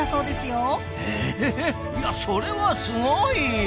へえいやそれはすごい！